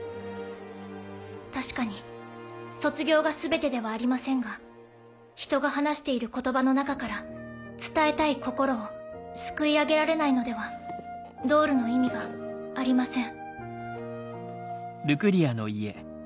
確かに卒業が全てではありませんが人が話している言葉の中から伝えたい心をすくい上げられないのではドールの意味がありません。